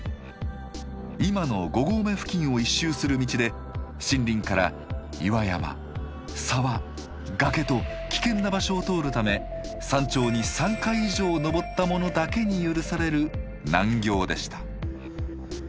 今の５合目付近を１周する道で森林から岩山沢崖と危険な場所を通るため山頂に３回以上登った者だけに許される難行でした。